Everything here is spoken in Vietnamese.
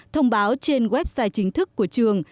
thông báo trên website chính thức của trường